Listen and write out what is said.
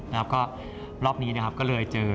แล้วก็รอบนี้นะครับก็เลยเจอ